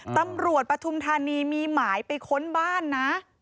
ปฐุมธานีมีหมายไปค้นบ้านนะ